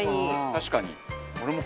確かに。